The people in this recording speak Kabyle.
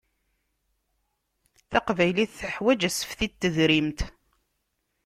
Taqbaylit teḥwaǧ asefti n tedrimt.